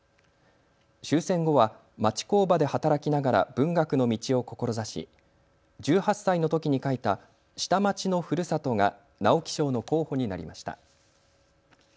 終戦後は町工場で働きながら文学の道を志し１８歳のときに書いた下町の故郷が直木賞の候補になりました。